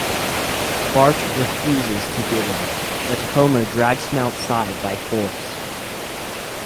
Bart refuses to give in, but Homer drags him outside by force.